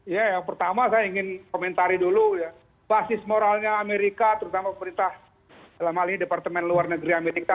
ya yang pertama saya ingin komentari dulu ya basis moralnya amerika terutama pemerintah dalam hal ini departemen luar negeri amerika